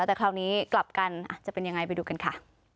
แต่คราวนี้กลับกันอาจจะเป็นยังไงไปดูกันค่ะ